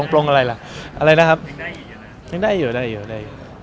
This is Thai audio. ทักเบอร์เองเขาก็เหมือนปรับไปสิ้นกับพี่บอยละ